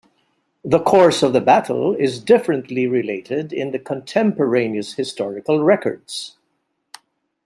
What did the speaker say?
The course of the battle is differently related in the contemporaneous historical records.